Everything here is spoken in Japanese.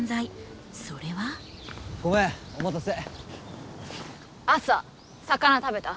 ごめんお待たせ。